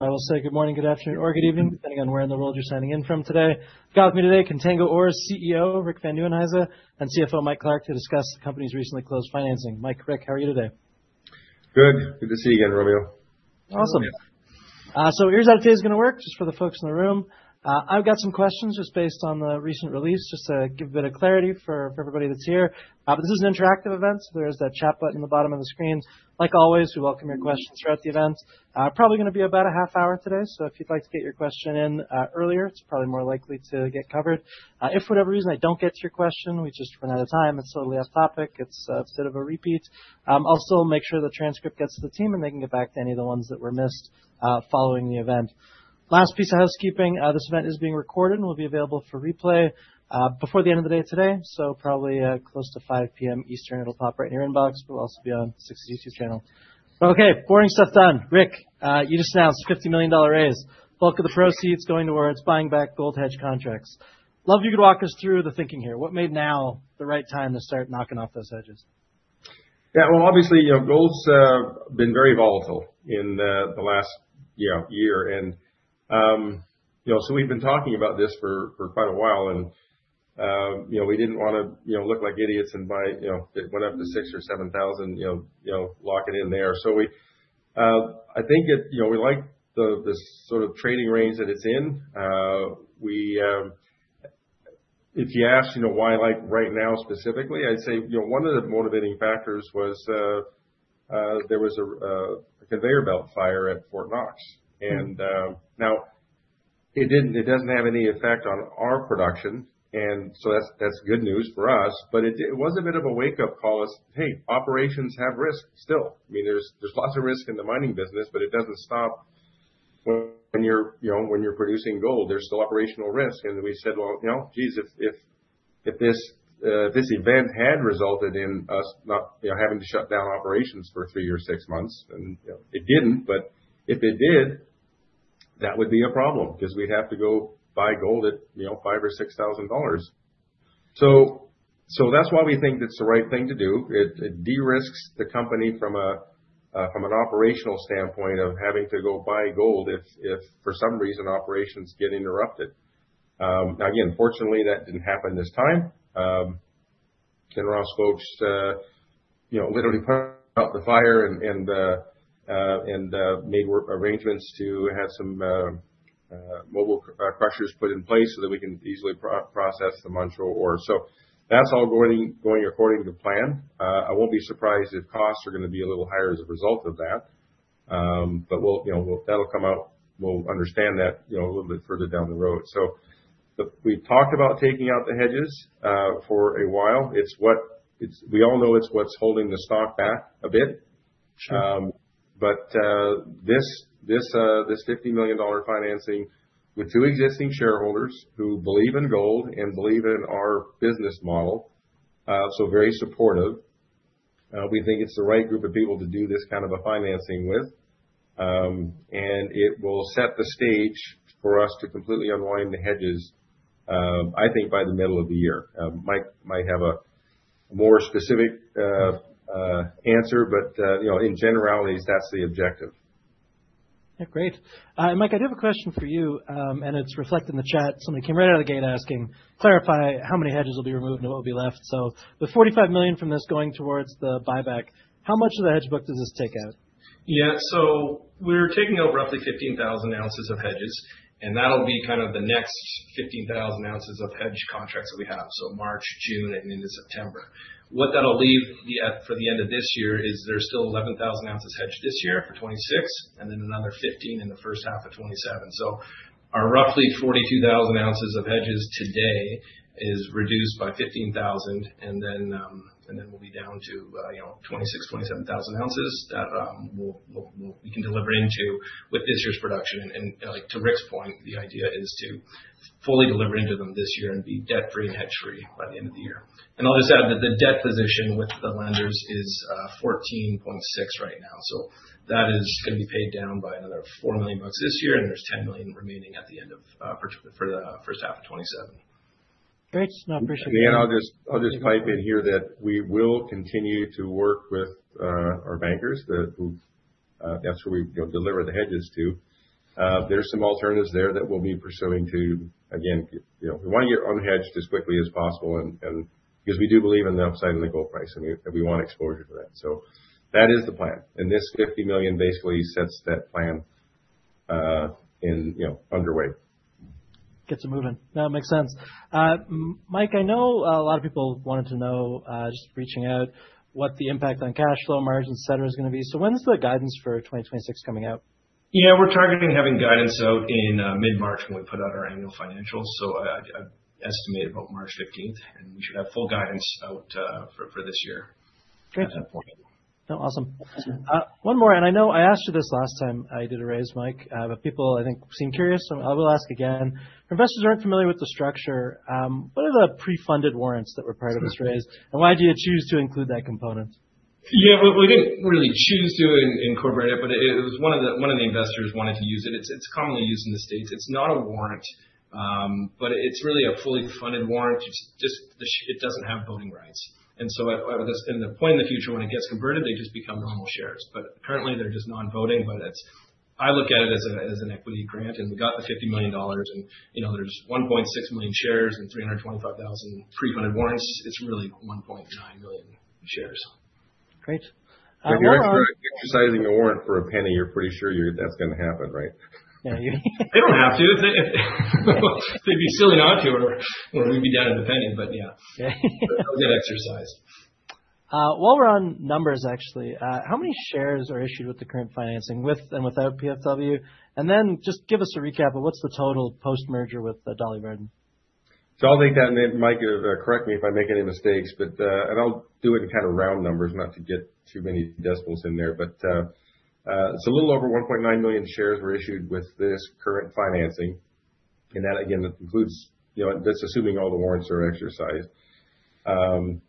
I will say good morning, good afternoon, or good evening, depending on where in the world you're signing in from today. I've got with me today, Contango ORE's CEO, Rick Van Nieuwenhuyse, and CFO, Mike Clark, to discuss the company's recently closed financing. Mike, Rick, how are you today? Good. Good to see you again, Romeo. Awesome. So here's how today's gonna work, just for the folks in the room. I've got some questions just based on the recent release, just to give a bit of clarity for everybody that's here. But this is an interactive event, so there is that chat button at the bottom of the screen. Like always, we welcome your questions throughout the event. Probably gonna be about a half hour today, so if you'd like to get your question in earlier, it's probably more likely to get covered. If for whatever reason I don't get to your question, we just run out of time, it's totally off topic, it's sort of a repeat, I'll still make sure the transcript gets to the team, and they can get back to any of the ones that were missed following the event. Last piece of housekeeping, this event is being recorded and will be available for replay, before the end of the day today. So probably, close to 5 P.M. Eastern, it'll pop right in your inbox, but it'll also be on the Sixty YouTube channel. Okay, boring stuff done. Rick, you just announced a $50 million raise, bulk of the proceeds going towards buying back gold hedge contracts. Love if you could walk us through the thinking here. What made now the right time to start knocking off those hedges? Yeah. Well, obviously, you know, gold's been very volatile in the last, you know, year. And, you know, so we've been talking about this for quite a while, and, you know, we didn't wanna, you know, look like idiots and buy, you know, it went up to $6,000-$7,000, you know, lock it in there. So, I think it, you know, we like the sort of trading range that it's in. We... If you ask, you know, why, like, right now, specifically, I'd say, you know, one of the motivating factors was there was a conveyor belt fire at Fort Knox. Mm. Now, it didn't, it doesn't have any effect on our production, and so that's, that's good news for us. But it did, it was a bit of a wake-up call, as, "Hey, operations have risks still." I mean, there's, there's lots of risk in the mining business, but it doesn't stop when you're, you know, when you're producing gold, there's still operational risk. And we said: Well, you know, geez, if, if, if this, this event had resulted in us not, you know, having to shut down operations for three or six months, and, you know, it didn't, but if it did, that would be a problem. 'Cause we'd have to go buy gold at, you know, $5,000-$6,000. So, so that's why we think it's the right thing to do. It de-risks the company from an operational standpoint of having to go buy gold if for some reason operations get interrupted. Again, fortunately, that didn't happen this time. Then Kinross folks, you know, literally put out the fire and made work arrangements to have some mobile crushers put in place so that we can easily process the Manh Choh ore. So that's all going according to plan. I won't be surprised if costs are gonna be a little higher as a result of that. But we'll, you know, we'll—that'll come out, we'll understand that, you know, a little bit further down the road. So we've talked about taking out the hedges for a while. It's what, it's... We all know it's what's holding the stock back a bit. Sure. But this $50 million financing with two existing shareholders who believe in gold and believe in our business model, so very supportive. We think it's the right group of people to do this kind of a financing with. And it will set the stage for us to completely unwind the hedges, I think by the middle of the year. Mike might have a more specific answer, but you know, in generalities, that's the objective. Yeah, great. Mike, I do have a question for you, and it's reflected in the chat. Somebody came right out of the gate asking, "Clarify how many hedges will be removed and what will be left?" So with $45 million from this going towards the buyback, how much of the hedge book does this take out? Yeah, so we're taking out roughly 15,000 ounces of hedges, and that'll be kind of the next 15,000 ounces of hedge contracts that we have, so March, June, and into September. What that'll leave you at for the end of this year is there's still 11,000 ounces hedged this year for 2026, and then another 15,000 in the first half of 2027. So our roughly 42,000 ounces of hedges today is reduced by 15,000, and then we'll be down to, you know, 26,000-27,000 ounces that we can deliver into with this year's production. And, like, to Rick's point, the idea is to fully deliver into them this year and be debt-free and hedge-free by the end of the year. I'll just add that the debt position with the lenders is $14.6 million right now, so that is gonna be paid down by another $4 million this year, and there's $10 million remaining at the end of the first half of 2027. Great. No, I appreciate that- I'll just pipe in here that we will continue to work with our bankers, who that's who we, you know, deliver the hedges to. There are some alternatives there that we'll be pursuing to, again, you know, we want to get unhedged as quickly as possible and 'cause we do believe in the upside of the gold price, and we want exposure to that. So that is the plan, and this $50 million basically sets that plan in, you know, underway. Gets it moving. No, it makes sense. Mike, I know a lot of people wanted to know, just reaching out, what the impact on cash flow margins, et cetera, is gonna be. So when is the guidance for 2026 coming out? Yeah, we're targeting having guidance out in mid-March, when we put out our annual financials. So, I'd estimate about March 15th, and we should have full guidance out for this year. Great. At that point. No, awesome. One more, and I know I asked you this last time I did a raise, Mike, but people, I think, seem curious, so I will ask again. Investors aren't familiar with the structure, what are the pre-funded warrants that were part of this raise? Sure. Why did you choose to include that component? Yeah, well, we didn't really choose to incorporate it, but it was one of the investors wanted to use it. It's commonly used in the States. It's not a warrant, but it's really a fully funded warrant, just it doesn't have voting rights. And so at this point in the future when it gets converted, they just become normal shares. But currently, they're just non-voting, but it's. I look at it as an equity grant, and we got the $50 million, and, you know, there's 1.6 million shares and 325,000 pre-funded warrants. It's really 1.9 million shares. Great. If you're exercising a warrant for a penny, you're pretty sure that's gonna happen, right? Yeah, you- They don't have to. They'd be silly not to, or we'd be down a penny, but yeah. But they'll get exercised. While we're on numbers, actually, how many shares are issued with the current financing, with and without PFW? And then just give us a recap of what's the total post-merger with Dolly Varden. So I'll take that, and then Mike, correct me if I make any mistakes. But and I'll do it in kind of round numbers, not to get too many decimals in there. But it's a little over 1.9 million shares were issued with this current financing, and that, again, that includes, you know, that's assuming all the warrants are exercised.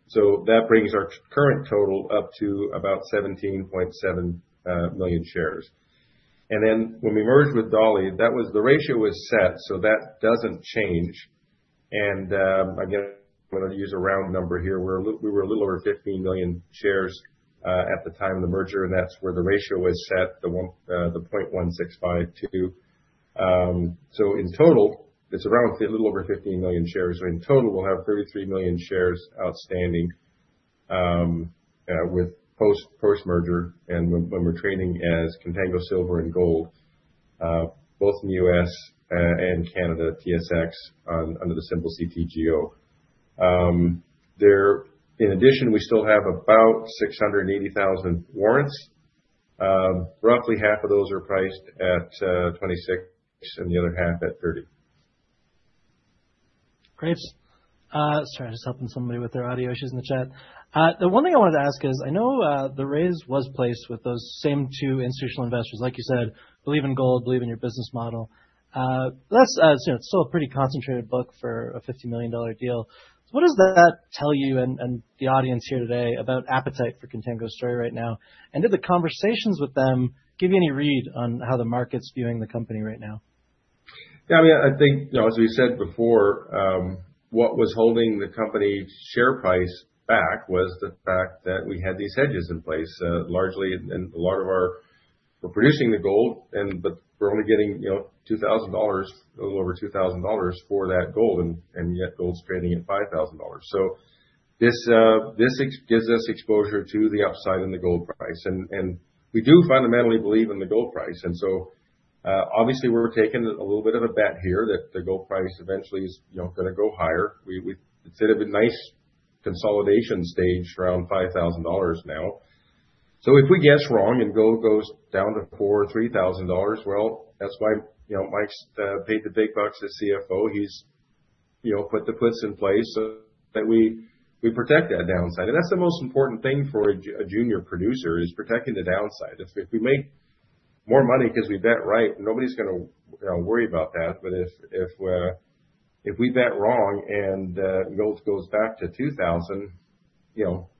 So that brings our current total up to about 17.7 million shares. And then when we merged with Dolly, that was. The ratio was set, so that doesn't change. And again, I'm gonna use a round number here. We were a little over 15 million shares at the time of the merger, and that's where the ratio was set, the one, the 0.1652. So in total, it's around a little over 15 million shares, or in total, we'll have 33 million shares outstanding, with post-merger and when we're trading as Contango Silver & Gold, both in the US and Canada, TSX under the symbol CTGO. There, in addition, we still have about 680,000 warrants. Roughly half of those are priced at $26, and the other half at $30. Great. Sorry, just helping somebody with their audio issues in the chat. The one thing I wanted to ask is, I know, the raise was placed with those same two institutional investors, like you said, "Believe in gold, believe in your business model." That's, you know, still a pretty concentrated book for a $50 million deal. So what does that tell you and, and the audience here today about appetite for Contango's story right now? And did the conversations with them give you any read on how the market's viewing the company right now? Yeah, I mean, I think, you know, as we said before, what was holding the company's share price back was the fact that we had these hedges in place, largely, and a lot of our... We're producing the gold, but we're only getting, you know, $2,000, a little over $2,000 for that gold, and yet gold's trading at $5,000. So this ex- gives us exposure to the upside in the gold price, and we do fundamentally believe in the gold price. And so, obviously, we're taking a little bit of a bet here that the gold price eventually is, you know, gonna go higher. We, it's in a nice consolidation stage around $5,000 now. So if we guess wrong and gold goes down to $4,000 or $3,000, well, that's why, you know, Mike's paid the big bucks to CFO. He's, you know, put the puts in place so that we, we protect that downside. And that's the most important thing for a junior producer, is protecting the downside. If, if we make more money because we bet right, nobody's gonna, you know, worry about that. But if, if, if we bet wrong and, gold goes back to $2,000, you know,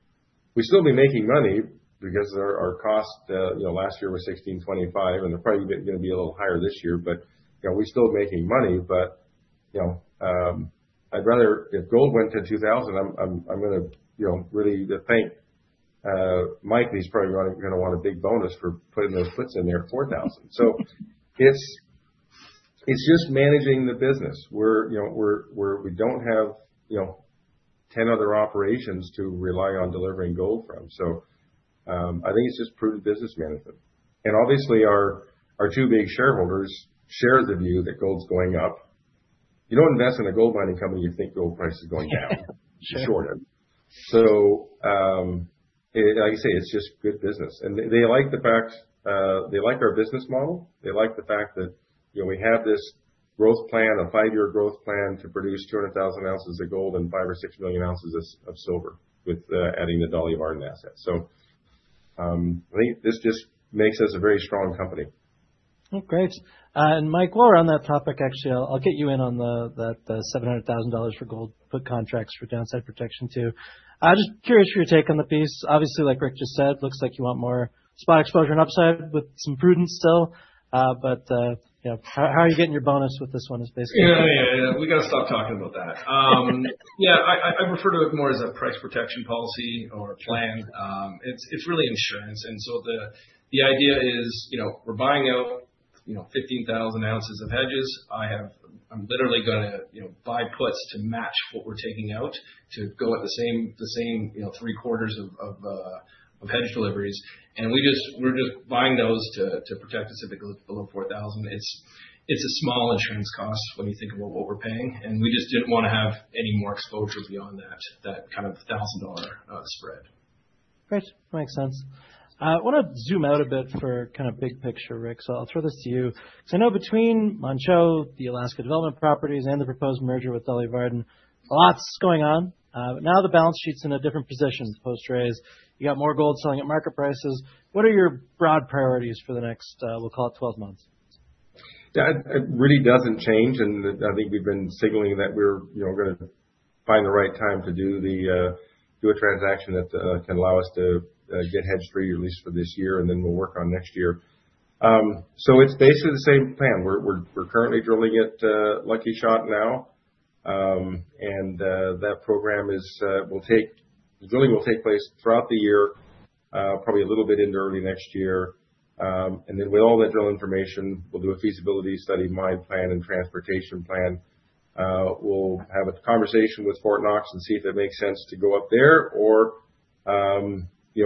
we'd still be making money because our, our cost, you know, last year was $1,625, and they're probably gonna be a little higher this year, but, you know, we're still making money. But, you know, I'd rather, if gold went to $2,000, I'm gonna, you know, really thank Mike, and he's probably gonna want a big bonus for putting those puts in there, $4,000. So it's just managing the business. We're, you know, we're, we don't have, you know, 10 other operations to rely on delivering gold from. So, I think it's just prudent business management. And obviously, our two big shareholders share the view that gold's going up. You don't invest in a gold mining company if you think gold price is going down. Sure. Shorter. So, like I say, it's just good business. And they, they like the fact, they like our business model. They like the fact that, you know, we have this growth plan, a five-year growth plan to produce 200,000 ounces of gold and 5-6 million ounces of silver with adding the Dolly Varden asset. So, I think this just makes us a very strong company. Well, great. Mike, while we're on that topic, actually, I'll get you in on the $700,000 for gold put contracts for downside protection, too. I'm just curious for your take on the piece. Obviously, like Rick just said, looks like you want more spot exposure and upside with some prudence still. But you know, how are you getting your bonus with this one is basically- Yeah, yeah, yeah. We gotta stop talking about that. Yeah, I refer to it more as a price protection policy or a plan. It's really insurance. And so the idea is, you know, we're buying out, you know, 15,000 ounces of hedges. I have... I'm literally gonna, you know, buy puts to match what we're taking out, to go at the same, the same, you know, three quarters of hedge deliveries. And we just, we're just buying those to protect us if it goes below $4,000. It's a small insurance cost when you think about what we're paying, and we just didn't wanna have any more exposure beyond that kind of $1,000 spread. Great, makes sense. I wanna zoom out a bit for kind of big picture, Rick, so I'll throw this to you. So I know between Manh Choh, the Alaska Development Properties, and the proposed merger with Dolly Varden, lots going on, but now the balance sheet's in a different position, post-raise. You got more gold selling at market prices. What are your broad priorities for the next, we'll call it 12 months? Yeah, it really doesn't change, and I think we've been signaling that we're, you know, gonna find the right time to do a transaction that can allow us to get hedge-free, at least for this year, and then we'll work on next year. So it's basically the same plan. We're currently drilling at Lucky Shot now, and that program will take. Drilling will take place throughout the year, probably a little bit into early next year. And then with all that drill information, we'll do a feasibility study, mine plan, and transportation plan. We'll have a conversation with Fort Knox and see if it makes sense to go up there, or, you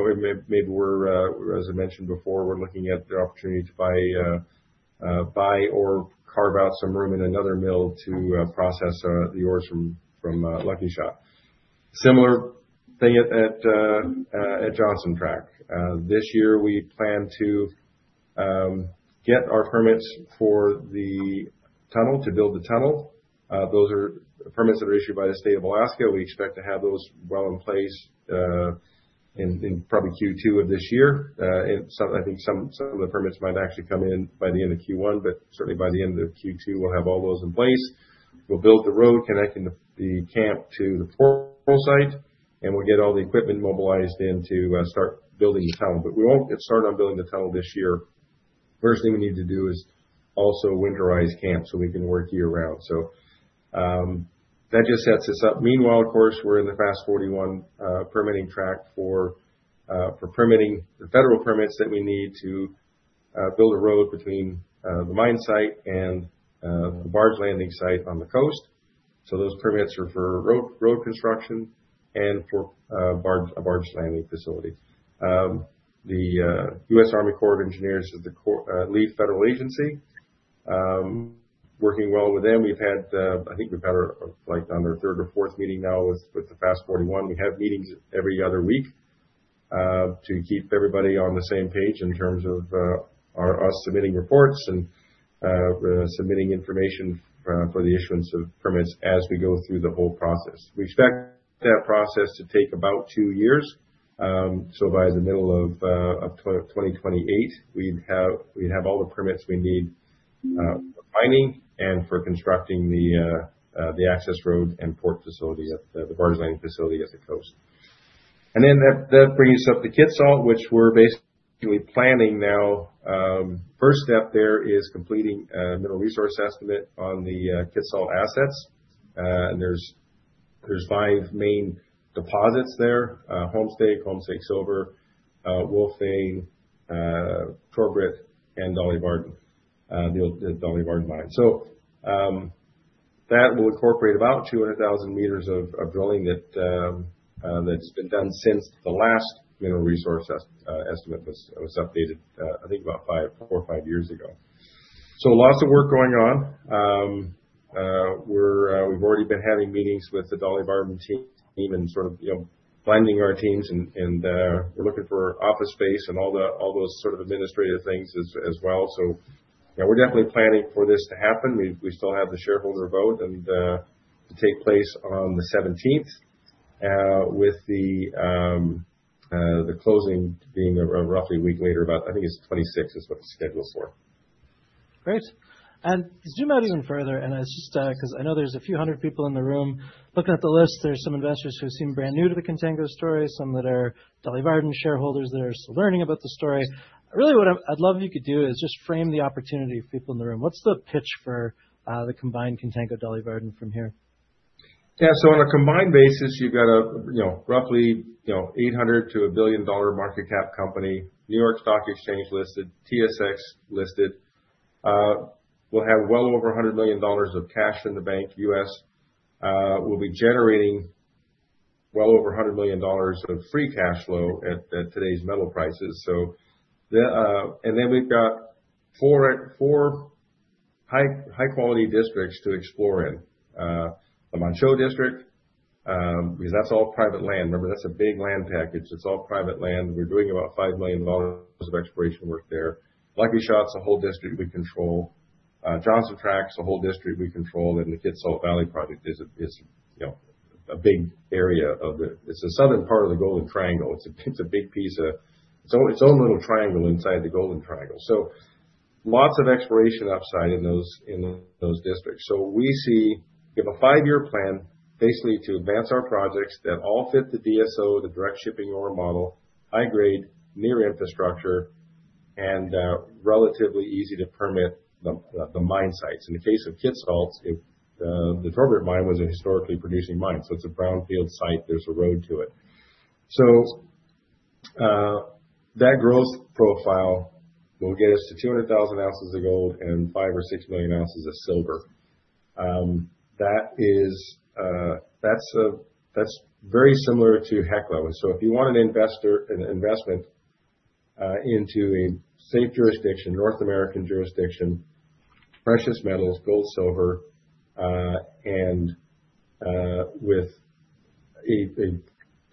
know, maybe we're, as I mentioned before, we're looking at the opportunity to buy or carve out some room in another mill to process the ores from Lucky Shot. Similar thing at Johnson Tract. This year, we plan to get our permits for the tunnel, to build the tunnel. Those are permits that are issued by the state of Alaska. We expect to have those well in place, in probably Q2 of this year. And some, I think some of the permits might actually come in by the end of Q1, but certainly by the end of Q2, we'll have all those in place. We'll build the road connecting the camp to the port site, and we'll get all the equipment mobilized in to start building the tunnel. But we won't get started on building the tunnel this year. First thing we need to do is also winterize camp, so we can work year-round. So, that just sets us up. Meanwhile, of course, we're in the FAST-41 permitting track for permitting the federal permits that we need to build a road between the mine site and the barge landing site on the coast. So those permits are for road construction and for barge, a barge landing facility. The US Army Corps of Engineers is the lead federal agency. Working well with them. We've had, I think we've had our, like, on our third or fourth meeting now with the FAST-41. We have meetings every other week to keep everybody on the same page in terms of us submitting reports and submitting information for the issuance of permits as we go through the whole process. We expect that process to take about two years. So by the middle of 2028, we'd have all the permits we need for mining and for constructing the access road and port facility at the barge landing facility at the coast. And then that brings up the Kitsault, which we're basically planning now. First step there is completing a mineral resource estimate on the Kitsault assets. And there's five main deposits there. Homestake, Homestake Silver, Wolf, Torbrit, and Dolly Varden, the old Dolly Varden Mine. So, that will incorporate about 200,000 meters of drilling that's been done since the last mineral resource estimate was updated, I think about four or five years ago. So lots of work going on. We've already been having meetings with the Dolly Varden team, and sort of, you know, blending our teams, and we're looking for office space and all those sort of administrative things as well. So yeah, we're definitely planning for this to happen. We still have the shareholder vote and to take place on the 17th, with the closing being a roughly week later, about I think it's the 26th, is what it's scheduled for. Great. And to zoom out even further, and it's just, 'cause I know there's a few hundred people in the room. Looking at the list, there's some investors who seem brand new to the Contango story, some that are Dolly Varden shareholders that are still learning about the story. Really, I'd love you could do is just frame the opportunity for people in the room. What's the pitch for, the combined Contango Dolly Varden from here? Yeah. So on a combined basis, you've got a, you know, roughly, you know, $800 million-$1 billion market cap company, New York Stock Exchange listed, TSX listed. We'll have well over $100 million of cash in the bank, U.S. We'll be generating well over $100 million of free cash flow at today's metal prices. So, and then we've got four high-quality districts to explore in. The Manh Choh District, because that's all private land. Remember, that's a big land package. It's all private land. We're doing about $5 million of exploration work there. Lucky Shot's a whole district we control. Johnson Tract's a whole district we control, and the Kitsault Valley project is a, you know, a big area of the- it's a southern part of the Golden Triangle. It's a big piece of its own little triangle inside the Golden Triangle. So lots of exploration upside in those districts. So we see we have a five-year plan, basically to advance our projects that all fit the DSO, the direct shipping ore model, high grade, near infrastructure, and relatively easy to permit the mine sites. In the case of Kitsault, the former mine was a historically producing mine, so it's a brownfield site. There's a road to it. So that growth profile will get us to 200,000 ounces of gold and 5-6 million ounces of silver. That is very similar to Hecla. So if you want an investment, into a safe jurisdiction, North American jurisdiction, precious metals, gold, silver, and, with a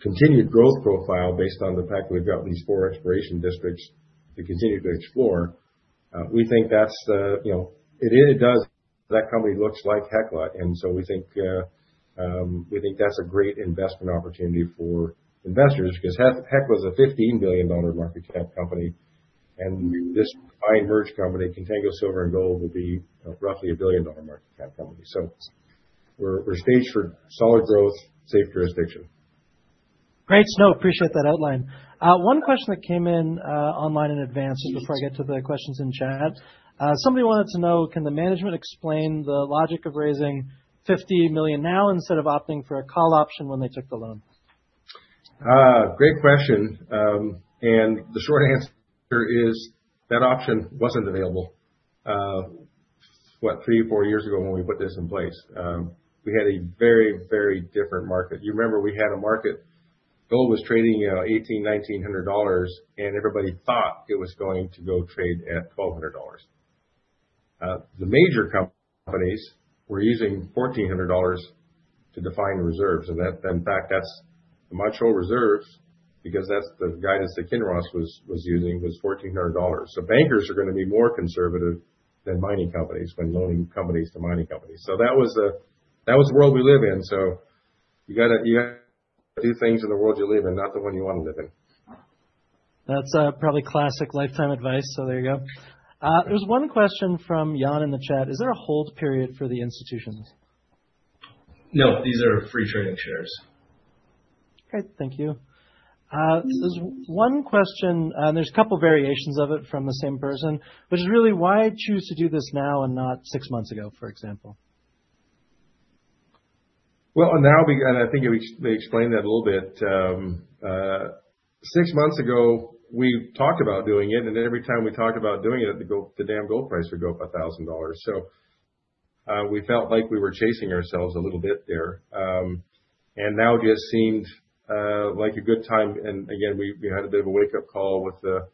continued growth profile based on the fact that we've got these four exploration districts to continue to explore, we think that's the, you know, That company looks like Hecla, and so we think, we think that's a great investment opportunity for investors, because Hecla is a $15 billion market cap company, and this high merged company, Contango Silver and Gold, will be, you know, roughly a $1 billion market cap company. So we're, we're staged for solid growth, safe jurisdiction.... Great, so appreciate that outline. One question that came in online in advance, just before I get to the questions in chat. Somebody wanted to know, can the management explain the logic of raising $50 million now instead of opting for a call option when they took the loan? Great question. And the short answer is, that option wasn't available. What, three or four years ago when we put this in place, we had a very, very different market. You remember, we had a market, gold was trading, you know, $1,800-$1,900, and everybody thought it was going to go trade at $1,200. The major companies were using $1,400 to define reserves, and that, in fact, that's the mine's own reserves, because that's the guidance that Kinross was using, was $1,400. So bankers are gonna be more conservative than mining companies when loaning money to mining companies. So that was the world we live in. So you gotta do things in the world you live in, not the one you wanna live in. That's probably classic lifetime advice, so there you go. There's one question from Jan in the chat: Is there a hold period for the institutions? No, these are free trading shares. Great, thank you. There's one question, and there's a couple variations of it from the same person, which is really why choose to do this now and not six months ago, for example? Well, now, we. And I think they explained that a little bit. Six months ago, we talked about doing it, and then every time we talked about doing it, the damn gold price would go up $1,000. So, we felt like we were chasing ourselves a little bit there. And now just seemed like a good time, and again, we had a bit of a wake-up call with the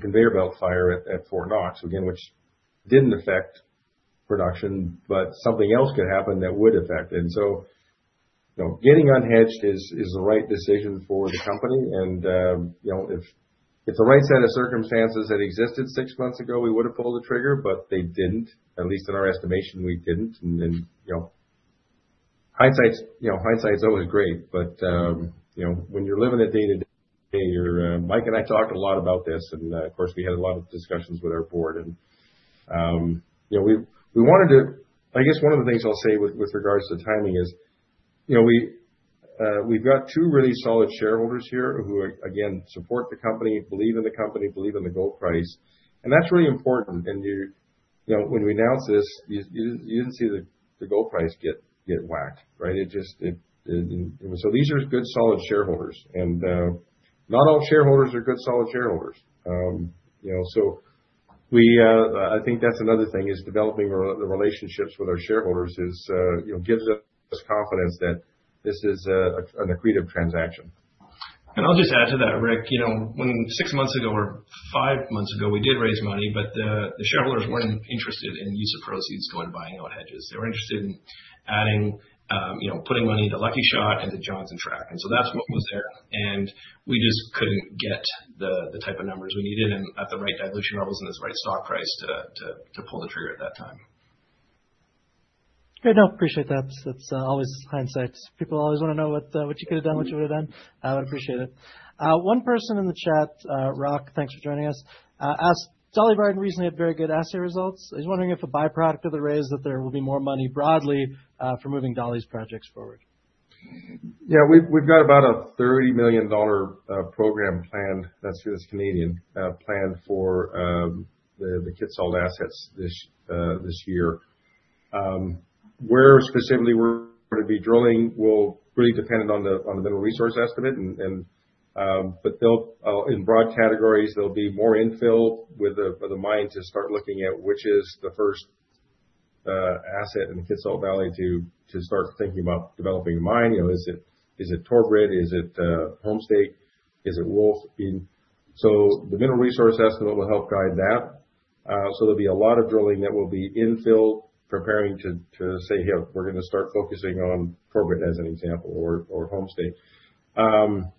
conveyor belt fire at Fort Knox. Again, which didn't affect production, but something else could happen that would affect it. You know, getting unhedged is the right decision for the company, and you know, if the right set of circumstances had existed six months ago, we would have pulled the trigger, but they didn't, at least in our estimation, we didn't. Then, you know, hindsight's always great, but you know, when you're living it day to day, you're Mike and I talked a lot about this, and of course, we had a lot of discussions with our board. You know, we wanted to—I guess one of the things I'll say with regards to timing is, you know, we've got two really solid shareholders here, who again, support the company, believe in the company, believe in the gold price, and that's really important. And you know, when we announced this, you didn't see the gold price get whacked, right? It just... So these are good, solid shareholders. And not all shareholders are good, solid shareholders. You know, so we, I think that's another thing, is developing the relationships with our shareholders, you know, gives us confidence that this is an accretive transaction. I'll just add to that, Rick, you know, when six months ago or five months ago, we did raise money, but the shareholders weren't interested in use of proceeds going, buying out hedges. They were interested in adding, you know, putting money into Lucky Shot and the Johnson Tract, and so that's what was there. And we just couldn't get the type of numbers we needed and at the right dilution levels and the right stock price to, to pull the trigger at that time. Great. No, appreciate that. It's always hindsight. People always wanna know what you could have done, what you would've done. I would appreciate it. One person in the chat, Rock, thanks for joining us, asked, Dolly Varden recently had very good assay results. He's wondering if the by-product of the raise, that there will be more money broadly, for moving Dolly's projects forward? Yeah, we've got about a 30 million dollar program planned, that's with Canadian planned for the Kitsault assets this year. Where specifically we're gonna be drilling will really dependent on the mineral resource estimate and, but they'll in broad categories, there'll be more infill with the for the mine to start looking at, which is the first asset in Kitsault Valley to start thinking about developing a mine. You know, is it Torbrit? Is it Homestake? Is it Wolf? And so, the mineral resource estimate will help guide that. So there'll be a lot of drilling that will be infill, preparing to say, "Yep, we're gonna start focusing on Torbrit," as an example, or Homestake.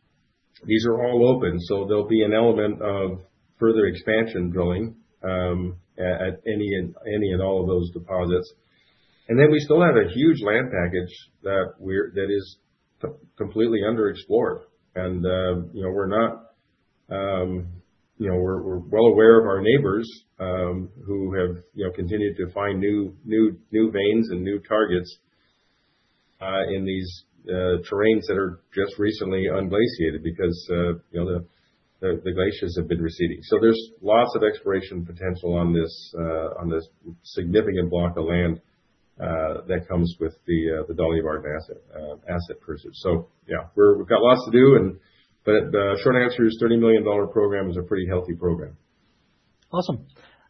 These are all open, so there'll be an element of further expansion drilling at any and all of those deposits. And then we still have a huge land package that is completely underexplored. And, you know, we're not, you know, we're well aware of our neighbors, who have, you know, continued to find new veins and new targets in these terrains that are just recently unglaciated, because, you know, the glaciers have been receding. So there's lots of exploration potential on this significant block of land that comes with the Dolly Varden asset purchase. So yeah, we've got lots to do, but the short answer is a $30 million program is a pretty healthy program. Awesome.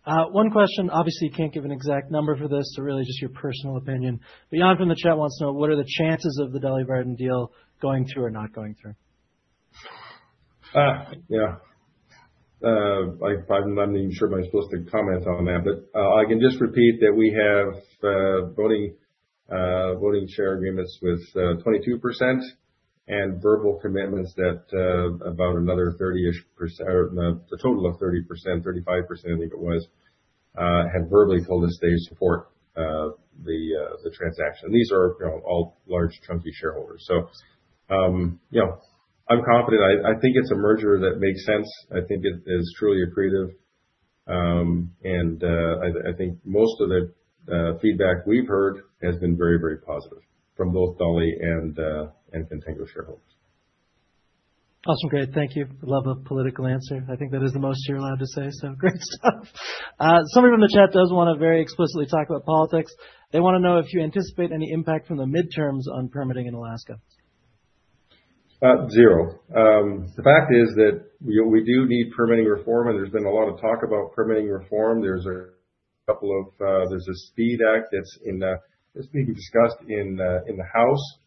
One question, obviously, you can't give an exact number for this, so really just your personal opinion. Beyond from the chat, wants to know, what are the chances of the Dolly Varden deal going through or not going through? Yeah. I'm not even sure if I'm supposed to comment on that, but I can just repeat that we have voting share agreements with 22% and verbal commitments that about another 30-ish%, or a total of 30%, 35%, I think it was, have verbally told us they support the transaction. These are, you know, all large chunky shareholders. So, you know, I'm confident. I think it's a merger that makes sense. I think it is truly accretive. And I think most of the feedback we've heard has been very, very positive from both Dolly and Contango shareholders. Awesome. Great, thank you. Love a political answer. I think that is the most you're allowed to say, so great stuff. Somebody in the chat does wanna very explicitly talk about politics. They wanna know if you anticipate any impact from the midterms on permitting in Alaska? Zero. The fact is that we do need permitting reform, and there's been a lot of talk about permitting reform. There's a couple of, there's a SPEED Act that's in the, that's being discussed in the, in the House.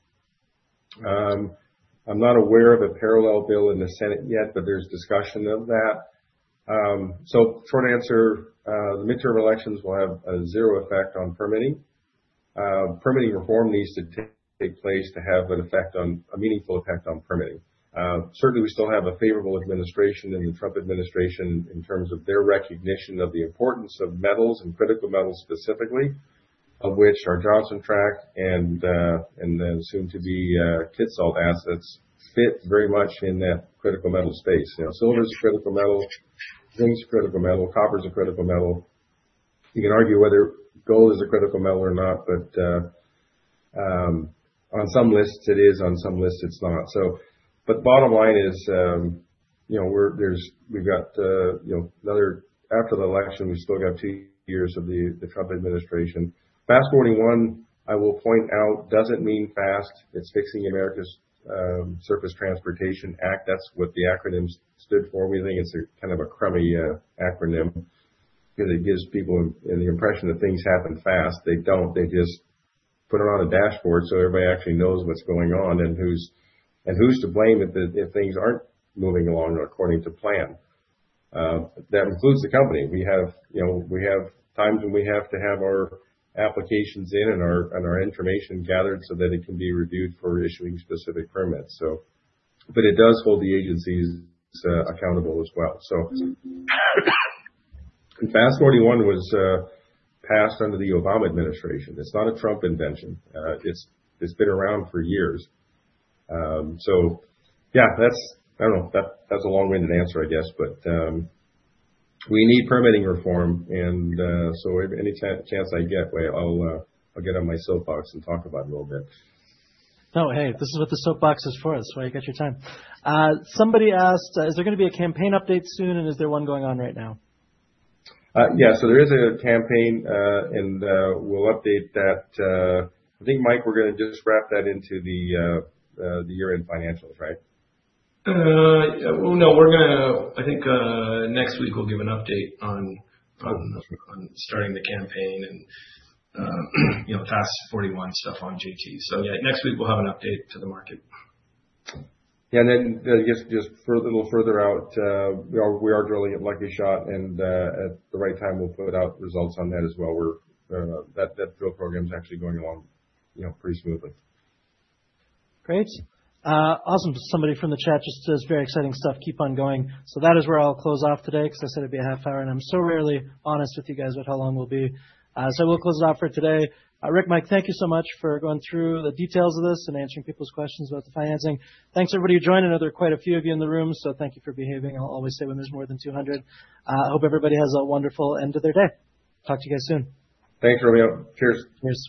I'm not aware of a parallel bill in the Senate yet, but there's discussion of that. So short answer, the midterm elections will have a zero effect on permitting. Permitting reform needs to take place to have an effect on... a meaningful effect on permitting. Certainly we still have a favorable administration in the Trump administration, in terms of their recognition of the importance of metals and critical metals, specifically, of which our Johnson Tract and, and the soon to be, Kitsault assets, fit very much in that critical metal space. You know, silver is a critical metal, zinc's a critical metal, copper's a critical metal. You can argue whether gold is a critical metal or not, but, on some lists it is, on some lists it's not. So, but bottom line is, you know, we've got, you know, another after the election, we've still got two years of the Trump administration. FAST-41, I will point out, doesn't mean fast. It's Fixing America's Surface Transportation Act. That's what the acronyms stood for. We think it's a kind of a crummy acronym because it gives people the impression that things happen fast. They don't, they just put it on a dashboard, so everybody actually knows what's going on and who's to blame if things aren't moving along according to plan. That includes the company. We have, you know, we have times when we have to have our applications in and our information gathered so that it can be reviewed for issuing specific permits, so. But it does hold the agencies accountable as well. So FAST-41 was passed under the Obama administration. It's not a Trump invention, it's been around for years. So yeah, that's. I don't know, that's a long-winded answer, I guess. But we need permitting reform, and so any chance I get, why, I'll get on my soapbox and talk about it a little bit. Oh, hey, this is what the soapbox is for. It's why you got your time. Somebody asked, "Is there gonna be a campaign update soon, and is there one going on right now? Yeah, so there is a campaign, and we'll update that. I think, Mike, we're gonna just wrap that into the year-end financials, right? No, we're gonna... I think, next week we'll give an update on starting the campaign and, you know, FAST-41 stuff on JT. So yeah, next week we'll have an update to the market. Yeah, and then just a little further out, we are drilling at Lucky Shot, and at the right time, we'll put out results on that as well. That drill program is actually going along, you know, pretty smoothly. Great. Also somebody from the chat just says, "Very exciting stuff. Keep on going." So that is where I'll close off today, 'cause I said it'd be a half hour, and I'm so rarely honest with you guys about how long we'll be. So we'll close it off for today. Rick, Mike, thank you so much for going through the details of this and answering people's questions about the financing. Thanks everybody who joined. I know there are quite a few of you in the room, so thank you for behaving. I'll always say when there's more than 200. I hope everybody has a wonderful end of their day. Talk to you guys soon. Thanks, Romeo. Cheers. Cheers.